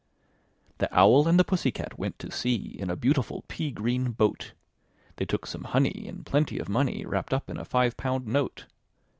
The Owl and the Pussy Cat went to sea In a beautiful pea green boat: They took some honey, and plenty of money Wrapped up in a five pound note.